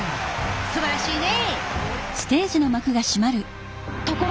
すばらしいね！